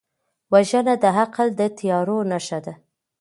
وژنه د عقل د تیارو نښه ده